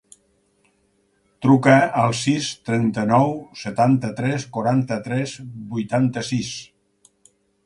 Truca al sis, trenta-nou, setanta-tres, quaranta-tres, vuitanta-sis.